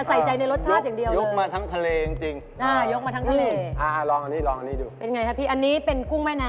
ใส่ใจในรสชาติอย่างเดียวเลยยกมาทั้งทะเลจริง